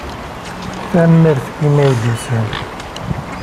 Tanemmirt imi ay d-tusam.